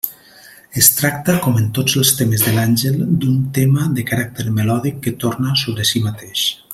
Es tracta, com en tots els temes de l'àngel, d'un tema de caràcter melòdic que torna sobre si mateix.